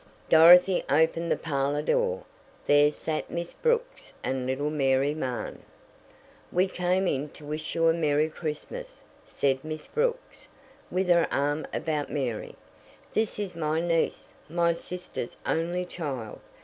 Dorothy opened the parlor door. There sat Miss Brooks and little Mary Mahon. "We came in to wish you a merry Christmas," said Miss Brooks, with her arm about Mary. "This is my niece, my sister's only child.